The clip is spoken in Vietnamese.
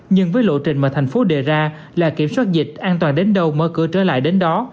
nhưng với lộ trình mà thành phố đề ra là kiểm soát dịch an toàn đến đâu mở cửa trở lại đến đó